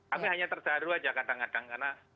kami hanya terharu saja kadang kadang karena